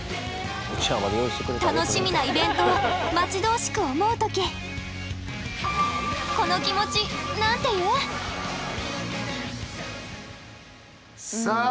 楽しみなイベントを待ち遠しく思う時さあ